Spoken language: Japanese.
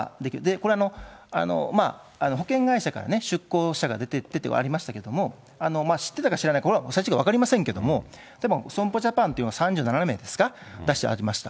これ、保険会社からね、出向者が出てはありましたけども、知ってたか知らないか、これは分かりませんけども、でも損保ジャパンというのは、３７名ですか、出してありました。